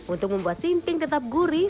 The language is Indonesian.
untuk membuat simping tetap gurih